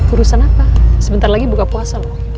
urusan apa sebentar lagi buka puasa loh